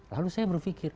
lalu saya berpikir